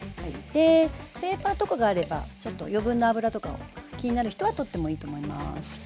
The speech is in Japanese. ペーパーとかがあればちょっと余分な脂とかを気になる人は取ってもいいと思います。